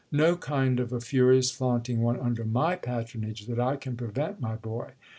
"No kind of a furious flaunting one, under my patronage, that I can prevent, my boy!